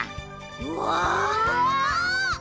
うわ！